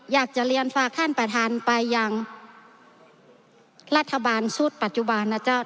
อยากจะเรียนฝากท่านประธานไปยังรัฐบาลชุดปัจจุบันนะเจ้า